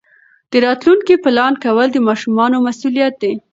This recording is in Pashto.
د راتلونکي پلان کول د ماشومانو مسؤلیت دی.